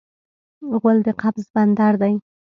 غول د قبض بندر دی.